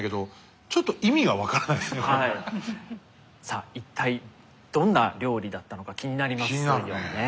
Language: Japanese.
さあ一体どんな料理だったのか気になりますよね。